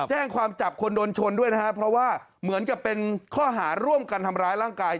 แจ้งความจับคนโดนชนด้วยนะครับเพราะว่าเหมือนกับเป็นข้อหาร่วมกันทำร้ายร่างกาย